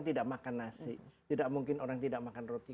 tidak mungkin orang tidak makan nasi tidak mungkin orang tidak makan roti